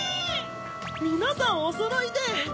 みなさんおそろいで！